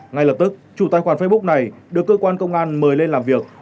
ngay lập tức chủ tài khoản facebook này được cơ quan công an mời lên làm việc